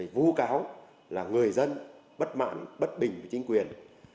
vô cáo là người dân bất mạn bất bình với chính quyền